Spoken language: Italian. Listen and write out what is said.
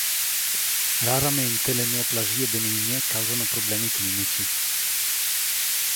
Raramente le neoplasie benigne causano problemi clinici.